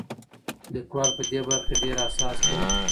لیکوال په دې برخه کې ډېر حساس دی.